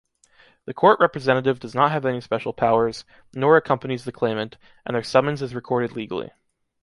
The court representative does not have any special powers, nor accompanies the claimant, and their summons is recorded legally.